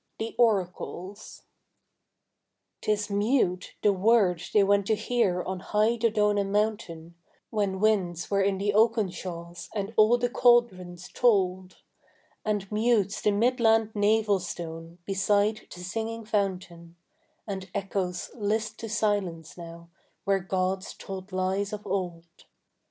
THE ORACLES 'Tis mute, the word they went to hear on high Dodona mountain When winds were in the oakenshaws and all the cauldrons tolled, And mute's the midland navel stone beside the singing fountain, And echoes list to silence now where gods told lies of old.